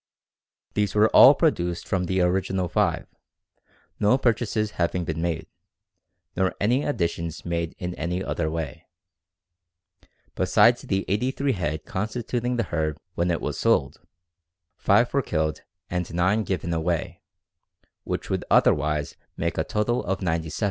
These were all produced from the original 5, no purchases having been made, nor any additions made in any other way. Besides the 83 head constituting the herd when it was sold, 5 were killed and 9 given away, which would otherwise make a total of 97 head produced since 1877.